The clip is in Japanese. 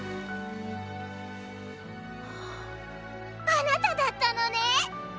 あなただったのね！